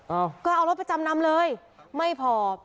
เอ้าก็เอารถไปจำนำเลยไม่พอ